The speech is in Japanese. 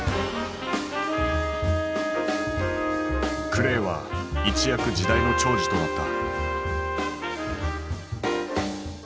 クレイは一躍時代の寵児となった。